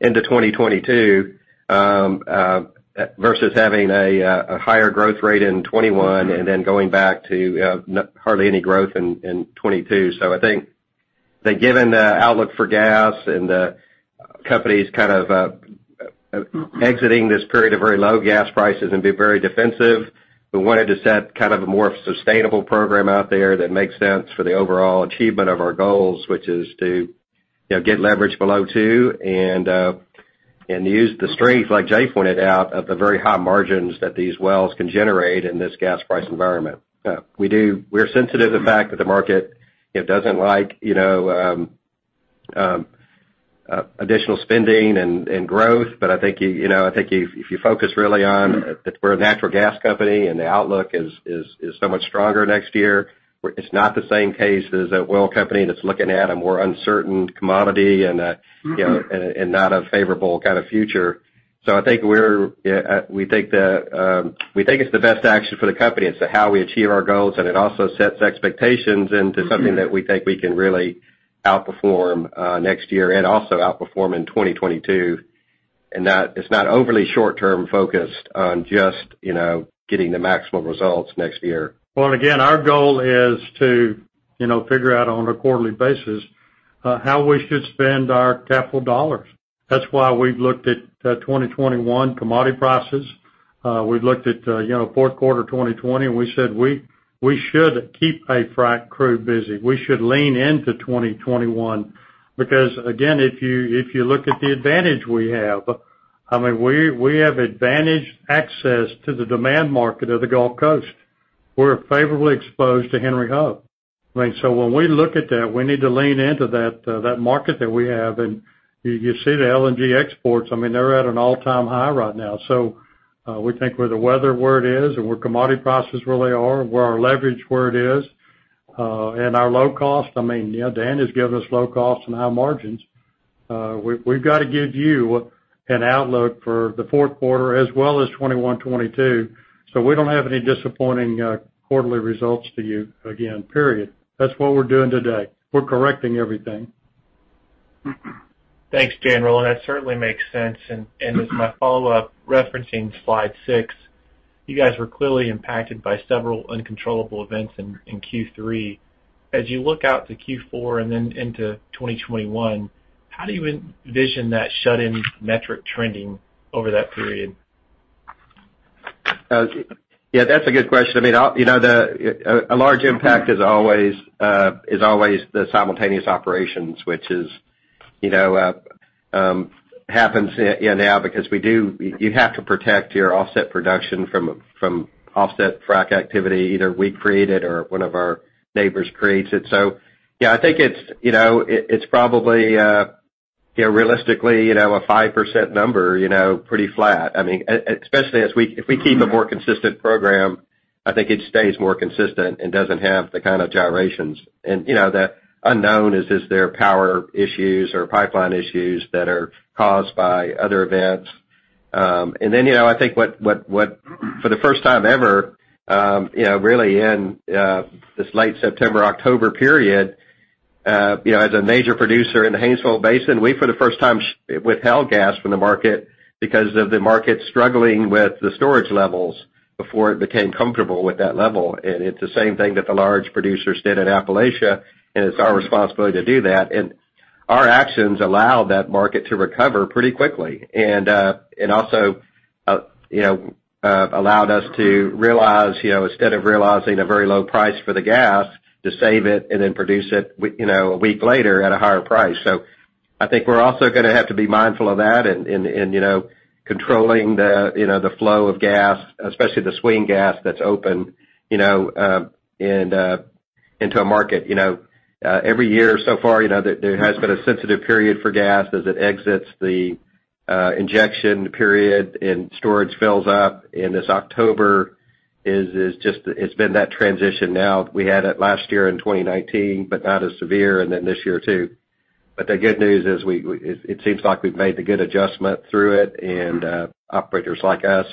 into 2022, versus having a higher growth rate in 2021 and then going back to hardly any growth in 2022. I think that given the outlook for natural gas and the company's kind of exiting this period of very low natural gas prices and being very defensive, we wanted to set a more sustainable program out there that makes sense for the overall achievement of our goals, which is to get leverage below two and use the strength, like Jay pointed out, of the very high margins that these wells can generate in this natural gas price environment. We're sensitive to the fact that the market doesn't like additional spending and growth. I think if you focus really on that we're a natural gas company and the outlook is so much stronger next year, it's not the same case as an oil company that's looking at a more uncertain commodity and not a favorable kind of future. We think it's the best action for the company as to how we achieve our goals, and it also sets expectations into something that we think we can really outperform next year and also outperform in 2022. It's not overly short-term focused on just getting the maximum results next year. Well, again, our goal is to figure out on a quarterly basis how we should spend our capital dollars. That's why we've looked at 2021 commodity prices. We've looked at fourth quarter 2020, and we said we should keep a frac crew busy. We should lean into 2021 because, again, if you look at the advantage we have, I mean, we have advantaged access to the demand market of the Gulf Coast. We're favorably exposed to Henry Hub, right? When we look at that, we need to lean into that market that we have. You see the LNG exports. I mean, they're at an all-time high right now. We think with the weather where it is and with commodity prices where they are, where our leverage where it is, and our low cost, I mean, Dan has given us low costs and high margins. We've got to give you an outlook for the fourth quarter as well as 2021, 2022, so we don't have any disappointing quarterly results to you again, period. That's what we're doing today. We're correcting everything. Thanks, Dan. Well, that certainly makes sense. As my follow-up, referencing slide six, you guys were clearly impacted by several uncontrollable events in Q3. As you look out to Q4 and then into 2021, how do you envision that shut-in metric trending over that period? Yeah, that's a good question. I mean, a large impact is always the simultaneous operations, which happens now because you have to protect your offset production from offset frac activity, either we create it or one of our neighbors creates it. Yeah, I think it's probably, realistically, a 5% number, pretty flat. I mean, especially if we keep a more consistent program, I think it stays more consistent and doesn't have the kind of gyrations. The unknown is there power issues or pipeline issues that are caused by other events? Then, I think for the first time ever, really in this late September-October period, as a major producer in the Haynesville Basin, we, for the first time, withheld gas from the market because of the market struggling with the storage levels before it became comfortable with that level. It's the same thing that the large producers did in Appalachia, and it's our responsibility to do that. Our actions allowed that market to recover pretty quickly. Also allowed us to realize, instead of realizing a very low price for the gas, to save it and then produce it a week later at a higher price. I think we're also going to have to be mindful of that in controlling the flow of gas, especially the swing gas that's open into a market. Every year so far, there has been a sensitive period for gas as it exits the injection period and storage fills up, and this October, it's been that transition now. We had it last year in 2019, but not as severe, and then this year too. The good news is it seems like we've made the good adjustment through it, and operators like us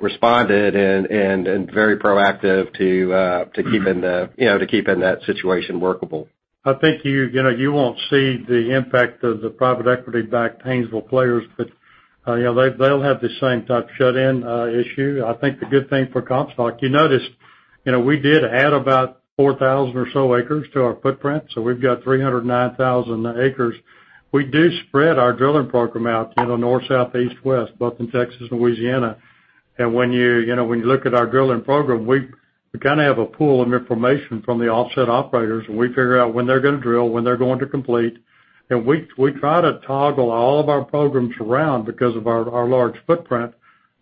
responded and very proactive to keeping that situation workable. I think you won't see the impact of the private equity-backed Haynesville players, but they'll have the same type of shut-in issue. I think the good thing for Comstock, you notice, we did add about 4,000 or so acres to our footprint, so we've got 309,000 acres. We do spread our drilling program out north, south, east, west, both in Texas and Louisiana. When you look at our drilling program, we kind of have a pool of information from the offset operators, and we figure out when they're going to drill, when they're going to complete. We try to toggle all of our programs around because of our large footprint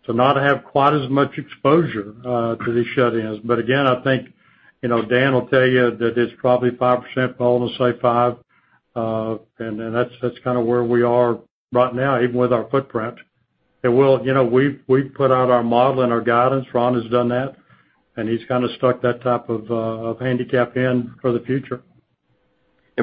to not have quite as much exposure to these shut-ins. Again, I think Dan will tell you that it's probably 5%, if I want to say five, and that's kind of where we are right now, even with our footprint. It will. We've put out our model and our guidance. Ron has done that, and he's kind of stuck that type of handicap in for the future.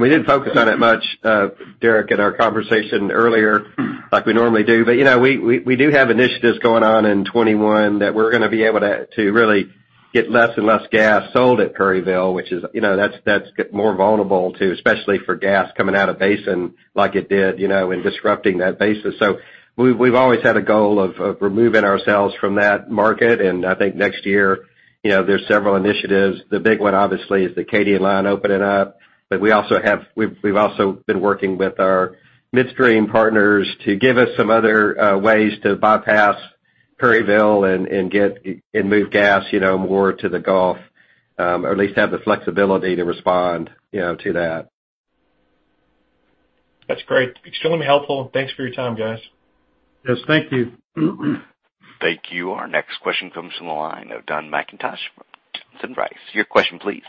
We didn't focus on it much, Derrick, in our conversation earlier like we normally do. We do have initiatives going on in 2021 that we're going to be able to really get less and less gas sold at Perryville. That's more vulnerable, too, especially for gas coming out of basin like it did, and disrupting that basis. We've always had a goal of removing ourselves from that market, and I think next year, there's several initiatives. The big one, obviously, is the Katy Line opening up. We've also been working with our midstream partners to give us some other ways to bypass Perryville and move gas more to the Gulf, or at least have the flexibility to respond to that. That's great. Extremely helpful. Thanks for your time, guys. Yes. Thank you. Thank you. Our next question comes from the line of Don McIntosh from T. Price. Your question please.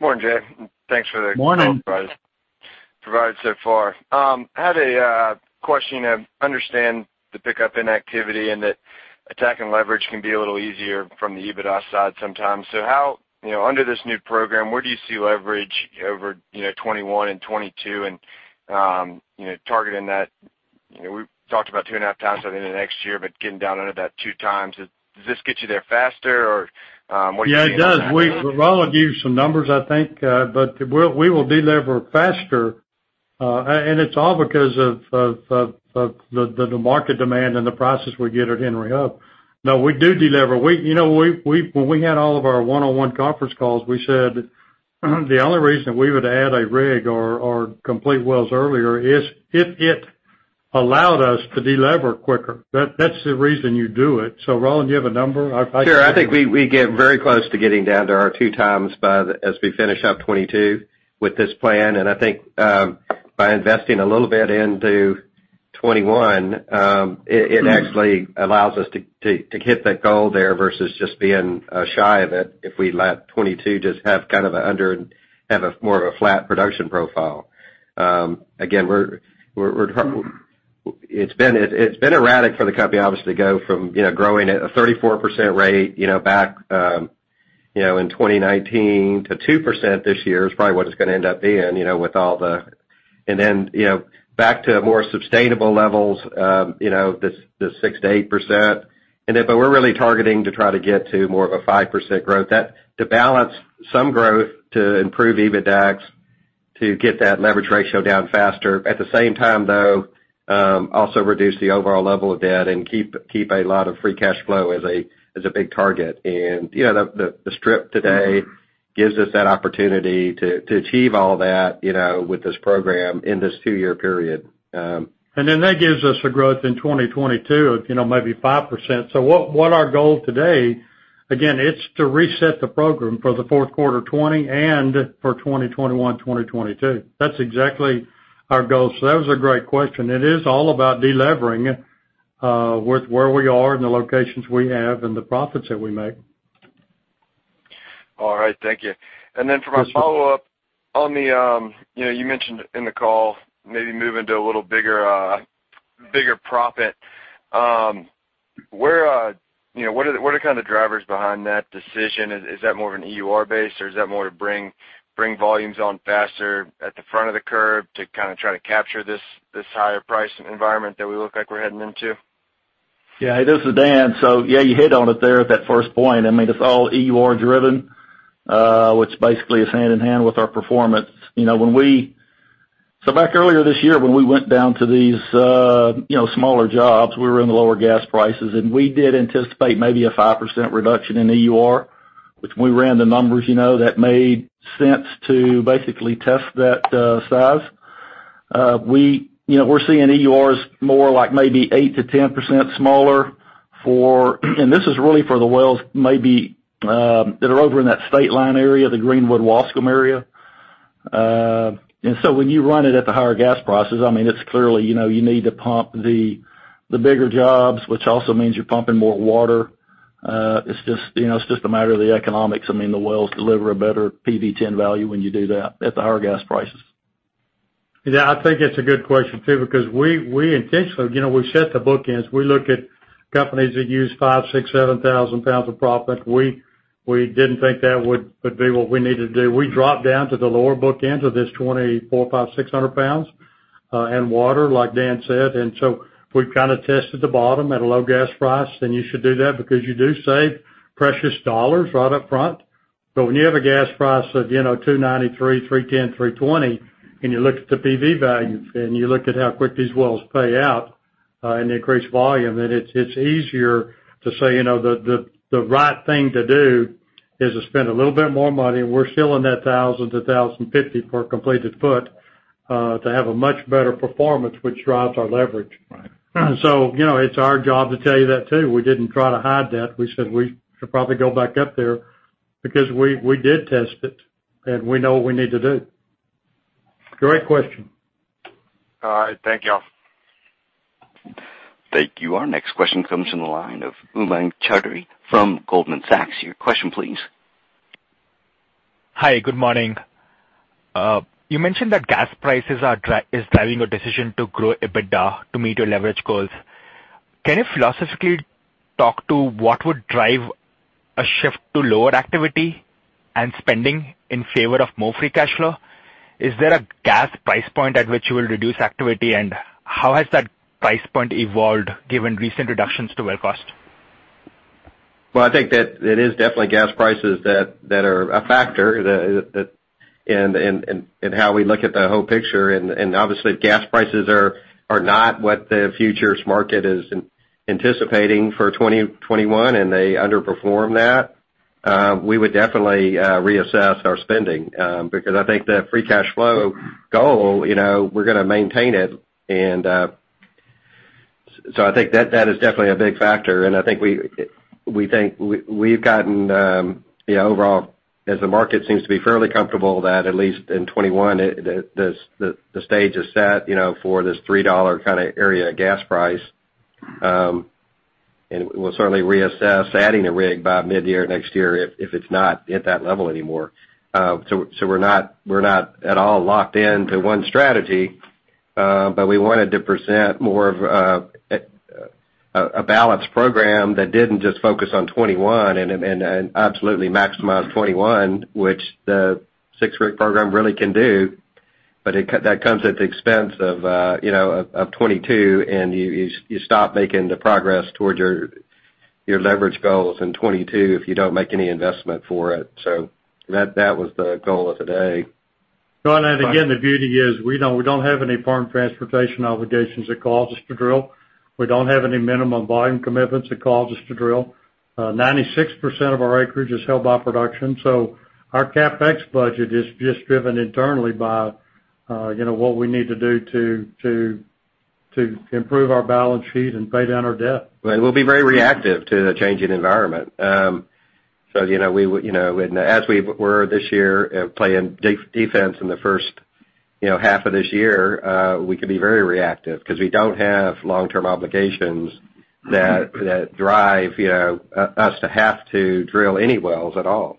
Morning, Jay. Morning provided so far. I had a question. I understand the pickup in activity and that attacking leverage can be a little easier from the EBITDA side sometimes. How, under this new program, where do you see leverage over 2021 and 2022 and targeting that? We've talked about two and a half times within the next year, but getting down under about 2x. Does this get you there faster or what do you see in that? Yeah, it does. Roland gave you some numbers, I think. We will de-lever faster, and it's all because of the market demand and the prices we get at Henry Hub. No, we do de-lever. When we had all of our one-on-one conference calls, we said, the only reason we would add a rig or complete wells earlier is if it allowed us to de-lever quicker. That's the reason you do it. Roland, you have a number? Sure. I think we get very close to getting down to our 2x as we finish up 2022 with this plan. I think by investing a little bit into 2021, it actually allows us to hit that goal there versus just being shy of it if we let 2022 just have more of a flat production profile. Again, it's been erratic for the company, obviously, to go from growing at a 34% rate back in 2019 to 2% this year, is probably what it's going to end up being. Then back to more sustainable levels, the 6%-8%. We're really targeting to try to get to more of a 5% growth. To balance some growth to improve EBITDAX to get that leverage ratio down faster. At the same time, though, also reduce the overall level of debt and keep a lot of free cash flow as a big target. The strip today gives us that opportunity to achieve all of that with this program in this two-year period. That gives us a growth in 2022 of maybe 5%. What our goal today, again, it's to reset the program for the fourth quarter 2020 and for 2021, 2022. That's exactly our goal. That was a great question. It is all about de-levering with where we are and the locations we have and the profits that we make. All right. Thank you. For my follow-up, you mentioned in the call maybe moving to a little bigger profit. What are the kind of drivers behind that decision? Is that more of an EUR base or is that more to bring volumes on faster at the front of the curve to kind of try to capture this higher price environment that we look like we're heading into? Yeah. This is Dan. Yeah, you hit on it there at that first point. I mean, it's all EUR driven, which basically is hand-in-hand with our performance. Back earlier this year when we went down to these smaller jobs, we were in the lower gas prices, and we did anticipate maybe a 5% reduction in EUR. Which we ran the numbers, that made sense to basically test that size. We're seeing EURs more like maybe 8%-10% smaller. This is really for the wells maybe that are over in that state line area, the Greenwood-Waskom area. When you run it at the higher gas prices, it's clearly you need to pump the bigger jobs, which also means you're pumping more water. It's just a matter of the economics. The wells deliver a better PV10 value when you do that at the higher gas prices. I think it's a good question, too, because we intentionally, we set the bookends. We look at companies that use 5,000, 6,000, 7,000 pounds of proppant. We didn't think that would be what we needed to do. We dropped down to the lower bookends of this 2,400, 2,500, 2,600 pounds, and water, like Dan said. We've kind of tested the bottom at a low gas price. You should do that because you do save precious dollars right up front. When you have a gas price of $2.93, $3.10, $3.20 and you look at the PV value and you look at how quick these wells pay out and they increase volume, then it's easier to say the right thing to do is to spend a little bit more money. We're still in that $1,000-$1,050 per completed foot to have a much better performance, which drives our leverage. It's our job to tell you that, too. We didn't try to hide that. We said we should probably go back up there because we did test it and we know what we need to do. Great question. All right. Thank you all. Thank you. Our next question comes from the line of Umang Choudhary from Goldman Sachs. Your question, please. Hi, good morning. You mentioned that gas prices is driving your decision to grow EBITDA to meet your leverage goals. Can you philosophically talk to what would drive a shift to lower activity and spending in favor of more free cash flow? Is there a gas price point at which you will reduce activity? How has that price point evolved given recent reductions to well cost? Well, I think that it is definitely gas prices that are a factor in how we look at the whole picture. Obviously if gas prices are not what the futures market is anticipating for 2021, and they underperform that, we would definitely reassess our spending. Because I think the free cash flow goal, we're going to maintain it. I think that is definitely a big factor. I think we've gotten, overall, as the market seems to be fairly comfortable that at least in 2021, the stage is set for this $3 kind of area gas price. We'll certainly reassess adding a rig by mid-year next year if it's not at that level anymore. We're not at all locked into one strategy. We wanted to present more of a balanced program that didn't just focus on 2021 and absolutely maximize 2021, which the six-rig program really can do. That comes at the expense of 2022 and you stop making the progress towards your leverage goals in 2022 if you don't make any investment for it. That was the goal of today. Roland, again, the beauty is, we don't have any firm transportation obligations that cause us to drill. We don't have any minimum volume commitments that cause us to drill. 96% of our acreage is held by production. Our CapEx budget is just driven internally by what we need to do to improve our balance sheet and pay down our debt. We'll be very reactive to the changing environment. As we were this year playing defense in the first half of this year, we could be very reactive because we don't have long-term obligations that drive us to have to drill any wells at all.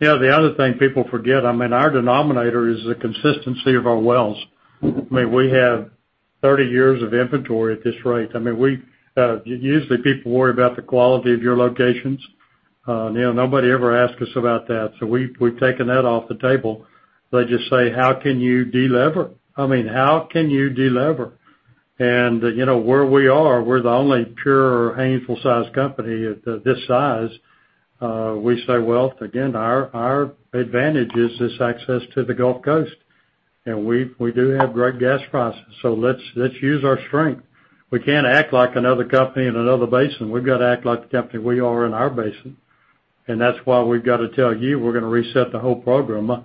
Yeah. The other thing people forget, our denominator is the consistency of our wells. We have 30 years of inventory at this rate. Usually people worry about the quality of your locations. Nobody ever asks us about that. We've taken that off the table. They just say, "How can you de-lever?" Where we are, we're the only pure Haynesville size company at this size. We say, well, again, our advantage is this access to the Gulf Coast. We do have great gas prices, so let's use our strength. We can't act like another company in another basin. We've got to act like the company we are in our basin. That's why we've got to tell you we're going to reset the whole program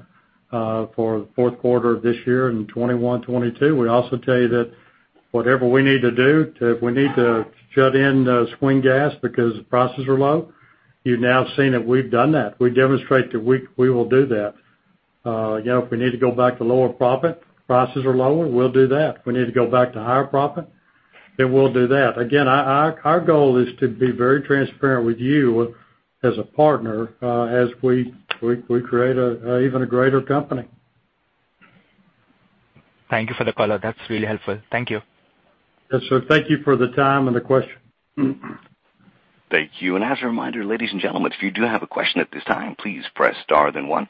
for the fourth quarter of this year and 2021, 2022. We also tell you that whatever we need to do, if we need to shut in swing gas because prices are low, you've now seen it, we've done that. We demonstrate that we will do that. If we need to go back to lower profit, prices are lower, we'll do that. We need to go back to higher profit, then we'll do that. Our goal is to be very transparent with you as a partner as we create even a greater company. Thank you for the color. That's really helpful. Thank you. Yes, sir. Thank you for the time and the question. Thank you. As a reminder, ladies and gentlemen, if you do have a question at this time, please press star then one.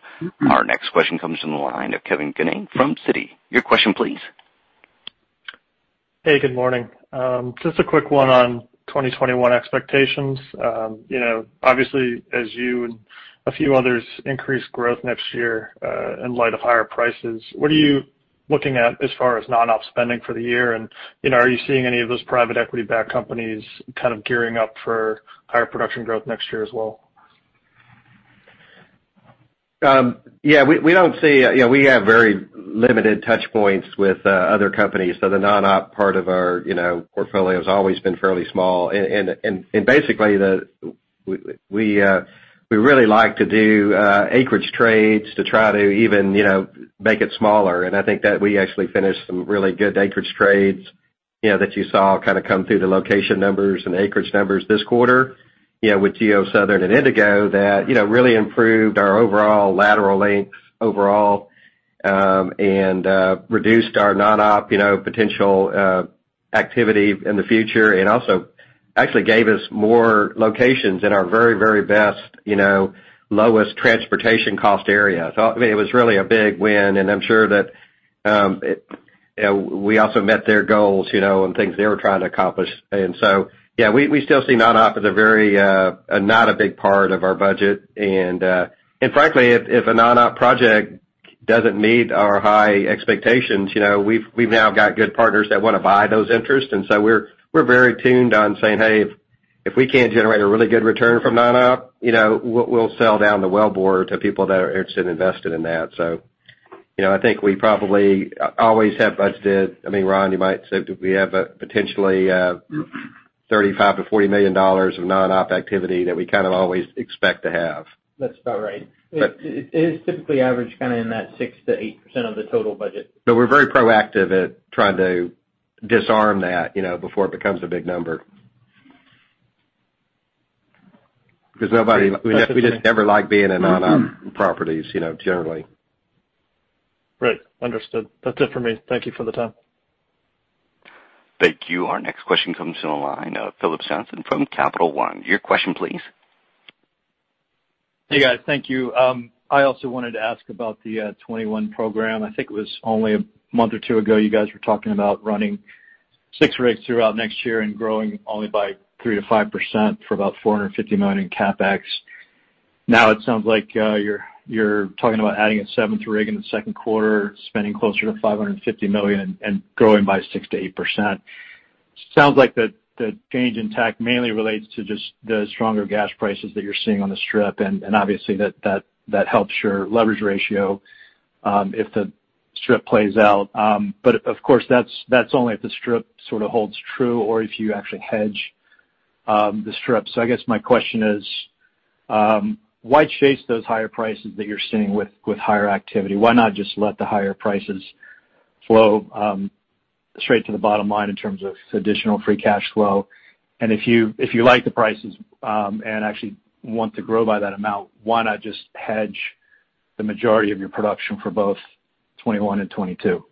Our next question comes from the line of Kevin Kunun from Citi. Your question, please. Hey, good morning. Just a quick one on 2021 expectations. Obviously as you and a few others increase growth next year in light of higher prices, what are you looking at as far as non-op spending for the year? Are you seeing any of those private equity backed companies kind of gearing up for higher production growth next year as well? Yeah, we have very limited touch points with other companies. The non-op part of our portfolio has always been fairly small. Basically, we really like to do acreage trades to try to even make it smaller. I think that we actually finished some really good acreage trades that you saw kind of come through the location numbers and acreage numbers this quarter with GeoSouthern and Indigo that really improved our overall lateral lengths overall, and reduced our non-op potential activity in the future, and also actually gave us more locations in our very best, lowest transportation cost area. It was really a big win, and I'm sure that we also met their goals and things they were trying to accomplish. Yeah, we still see non-op as not a big part of our budget. Frankly, if a non-op project doesn't meet our high expectations, we've now got good partners that want to buy those interests. We're very tuned on saying, "Hey, if we can't generate a really good return from non-op, we'll sell down the wellbore to people that are interested in investing in that." I think we probably always have budgeted. Ron, you might say we have potentially $35 million-$40 million of non-op activity that we kind of always expect to have. That's about right. It is typically average, kind of in that 6%-8% of the total budget. We're very proactive at trying to disarm that before it becomes a big number. We just never like being in non-owned properties, generally. Right. Understood. That's it for me. Thank you for the time. Thank you. Our next question comes from the line of Phillips Johnston from Capital One. Your question, please. Hey, guys. Thank you. I also wanted to ask about the 2021 program. I think it was only a month or two ago, you guys were talking about running six rigs throughout next year and growing only by 3%-5% for about $450 million in CapEx. Now it sounds like you're talking about adding a seventh rig in the second quarter, spending closer to $550 million and growing by 6%-8%. Sounds like the change in tack mainly relates to just the stronger gas prices that you're seeing on the strip, and obviously that helps your leverage ratio, if the strip plays out. Of course, that's only if the strip sort of holds true or if you actually hedge the strip. I guess my question is, why chase those higher prices that you're seeing with higher activity? Why not just let the higher prices flow straight to the bottom line in terms of additional free cash flow? If you like the prices, and actually want to grow by that amount, why not just hedge the majority of your production for both 2021 and 2022?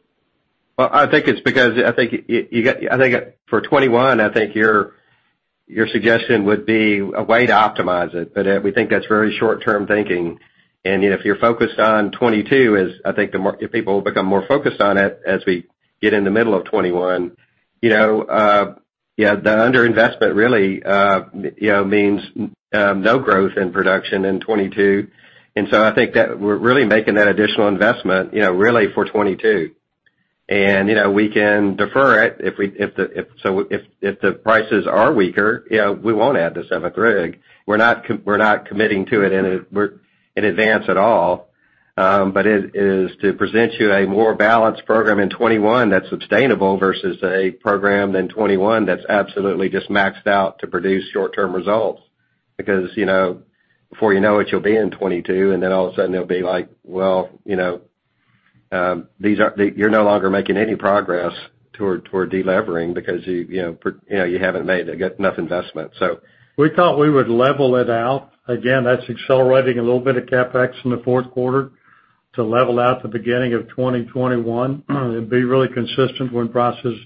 Well, I think it's because for 2021, I think your suggestion would be a way to optimize it. We think that's very short-term thinking. If you're focused on 2022, I think people will become more focused on it as we get in the middle of 2021. The under-investment really means no growth in production in 2022. I think that we're really making that additional investment really for 2022. We can defer it. If the prices are weaker, we won't add the seventh rig. We're not committing to it in advance at all. It is to present you a more balanced program in 2021 that's sustainable versus a program in 2021 that's absolutely just maxed out to produce short-term results. Before you know it, you'll be in 2022, and then all of a sudden it'll be like, well, you're no longer making any progress toward de-levering because you haven't made enough investment. We thought we would level it out. Again, that's accelerating a little bit of CapEx in the fourth quarter to level out the beginning of 2021 and be really consistent when prices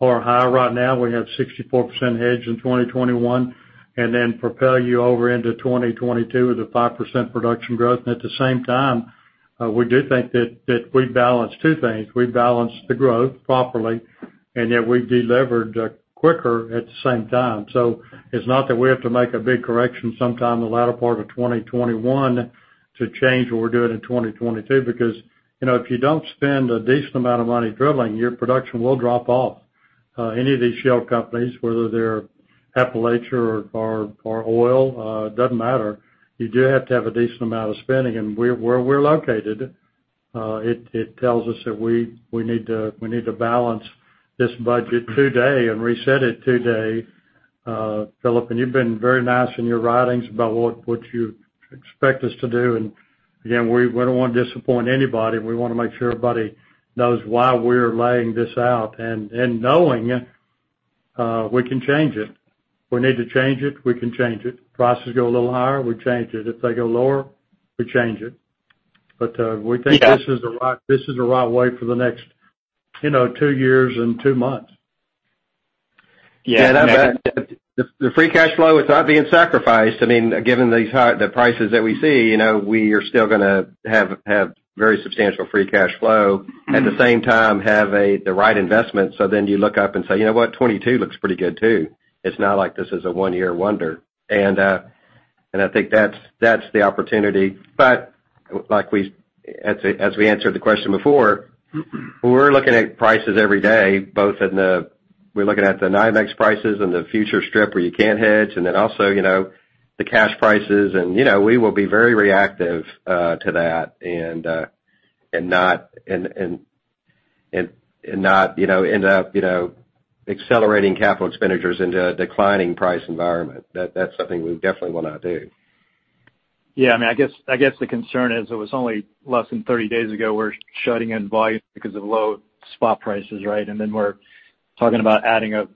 are high. Right now, we have 64% hedged in 2021, then propel you over into 2022 with a 5% production growth. At the same time, we do think that we balance two things. We balance the growth properly, and yet we've delevered quicker at the same time. It's not that we have to make a big correction sometime in the latter part of 2021 to change what we're doing in 2022. Because if you don't spend a decent amount of money drilling, your production will drop off. Any of these shale companies, whether they're Appalachia or oil, doesn't matter. You do have to have a decent amount of spending. Where we're located, it tells us that we need to balance this budget today and reset it today. Philips, and you've been very nice in your writings about what you expect us to do, and again, we don't want to disappoint anybody. We want to make sure everybody knows why we're laying this out and knowing we can change it. If we need to change it, we can change it. Prices go a little higher, we change it. If they go lower, we change it. We think this is the right way for the next two years and two months. Yeah. The free cash flow is not being sacrificed. Given the prices that we see, we are still going to have very substantial free cash flow. At the same time, have the right investment. You know what? 2022 looks pretty good, too. It's not like this is a one-year wonder. I think that's the opportunity. As we answered the question before, we're looking at prices every day. We're looking at the NYMEX prices and the future strip where you can't hedge, and then also the cash prices, and we will be very reactive to that and not end up accelerating capital expenditures into a declining price environment. That's something we definitely will not do. Yeah. I guess the concern is it was only less than 30 days ago we're shutting in volume because of low spot prices, right? We're talking about adding an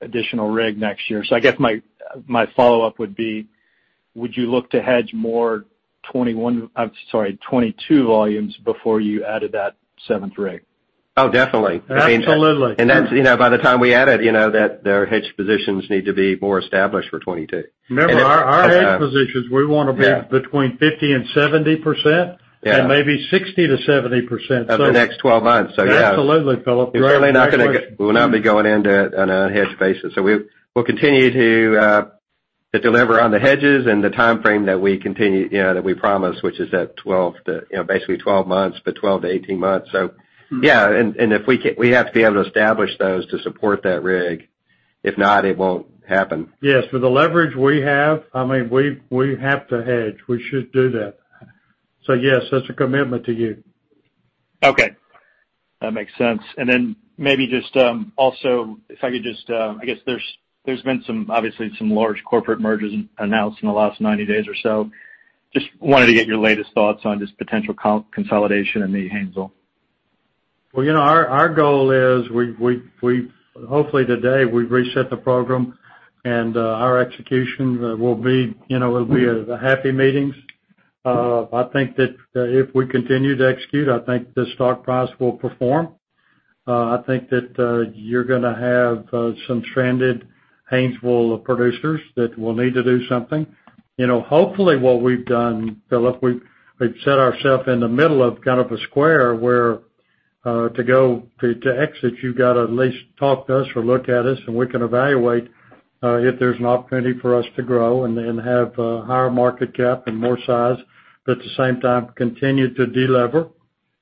additional rig next year. I guess my follow-up would be, would you look to hedge more 2022 volumes before you added that seventh rig? Oh, definitely. Absolutely. By the time we add it, their hedge positions need to be more established for 2022. Remember, our hedge positions, we want to be between 50% and 70%, and maybe 60%-70%. Of the next 12 months. Yeah. Absolutely, Philip. Great question. We will not be going into it on an unhedged basis. We'll continue to deliver on the hedges and the timeframe that we promise, which is basically 12 months, but 12 to 18 months. Yeah, and we have to be able to establish those to support that rig. If not, it won't happen. Yes. With the leverage we have, we have to hedge. We should do that. Yes, that's a commitment to you. Okay. That makes sense. Maybe just also, I guess there's been obviously some large corporate mergers announced in the last 90 days or so. Just wanted to get your latest thoughts on just potential consolidation in the Haynesville. Well, our goal is, hopefully today, we've reset the program, and our execution will be the happy meetings. I think that if we continue to execute, I think the stock price will perform. I think that you're going to have some stranded painful producers that will need to do something. Hopefully, what we've done, Phillips, we've set ourself in the middle of kind of a square where to exit, you've got to at least talk to us or look at us, and we can evaluate if there's an opportunity for us to grow and then have a higher market cap and more size, but at the same time, continue to de-lever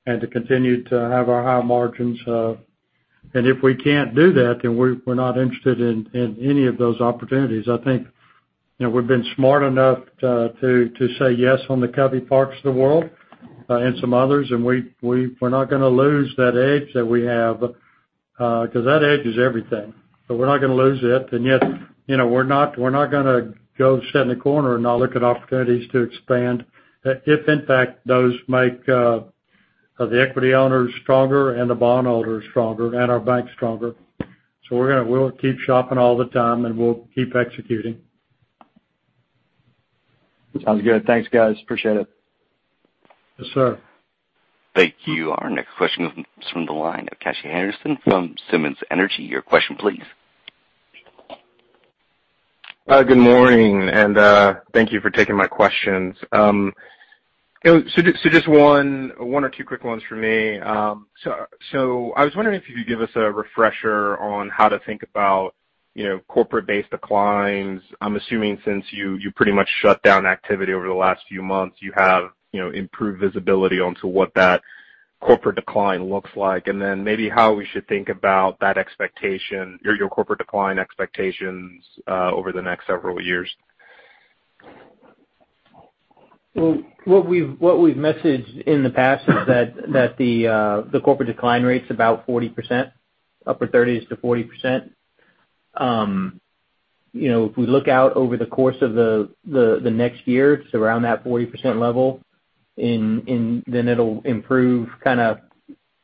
and to continue to have our high margins. If we can't do that, then we're not interested in any of those opportunities. I think we've been smart enough to say yes on the Covey Park of the world, and some others, and we're not going to lose that edge that we have, because that edge is everything. We're not going to lose it, and yet we're not going to go sit in the corner and not look at opportunities to expand, if in fact, those make the equity owners stronger and the bondholders stronger and our bank stronger. We'll keep shopping all the time, and we'll keep executing. Sounds good. Thanks, guys. Appreciate it. Yes, sir. Thank you. Our next question comes from the line of Kashy Harrison from Simmons Energy. Your question please. Good morning, and thank you for taking my questions. Just one or two quick ones for me. I was wondering if you could give us a refresher on how to think about corporate-based declines. I'm assuming since you pretty much shut down activity over the last few months, you have improved visibility onto what that corporate decline looks like, and then maybe how we should think about your corporate decline expectations over the next several years. Well, what we've messaged in the past is that the corporate decline rate's about 40%, upper 30s to 40%. If we look out over the course of the next year, it's around that 40% level, then it'll improve kind of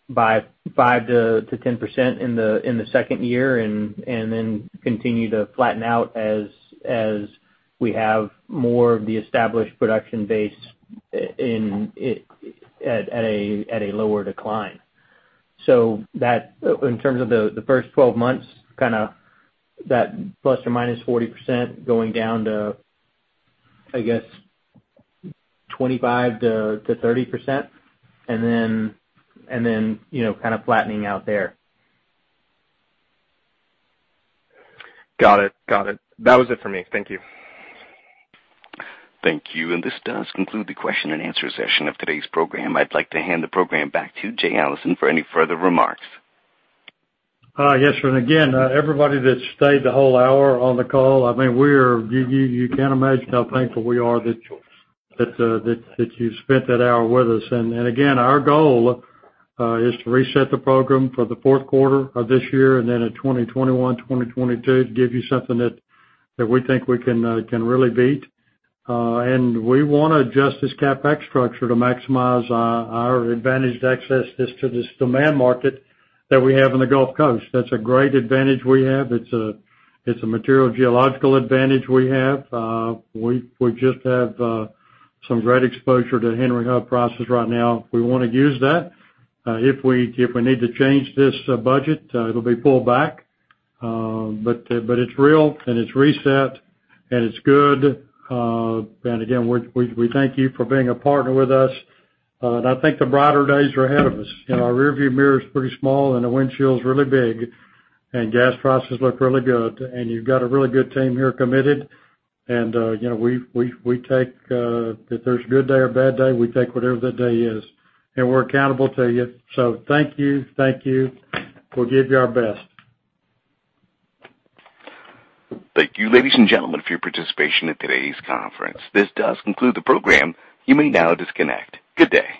by 5%-10% in the second year, and then continue to flatten out as we have more of the established production base at a lower decline. In terms of the first 12 months, kind of that ±40% going down to, I guess 25%-30%, and then kind of flattening out there. Got it. That was it for me. Thank you. Thank you. This does conclude the question and answer session of today's program. I'd like to hand the program back to Jay Allison for any further remarks. Yes. Again, everybody that stayed the whole hour on the call, you can't imagine how thankful we are that you spent that hour with us. Again, our goal is to reset the program for the fourth quarter of this year, and then in 2021, 2022, to give you something that we think we can really beat. We want to adjust this CapEx structure to maximize our advantaged access to this demand market that we have in the Gulf Coast. That's a great advantage we have. It's a material geological advantage we have. We just have some great exposure to Henry Hub prices right now. We want to use that. If we need to change this budget, it'll be pulled back. It's real, and it's reset, and it's good. Again, we thank you for being a partner with us. I think the brighter days are ahead of us. Our rear view mirror is pretty small, and the windshield's really big, and gas prices look really good, and you've got a really good team here committed. If there's a good day or bad day, we take whatever the day is, and we're accountable to you. Thank you. We'll give you our best. Thank you, ladies and gentlemen, for your participation in today's conference. This does conclude the program. You may now disconnect. Good day.